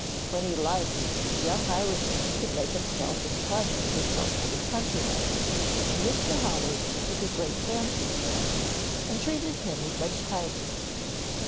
When he liked, the young Irishman could make himself as pleasant as most of his countrymen, and Mr. Howard took a great fancy to him, and treated him with much kindness.